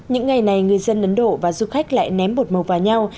những ngày này người dân ấn độ và du khách lại ném bột màu vào nhau